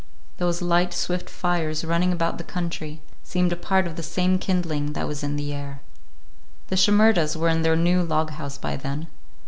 Those light, swift fires, running about the country, seemed a part of the same kindling that was in the air. The Shimerdas were in their new log house by then.